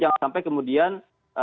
jangan sampai kemudian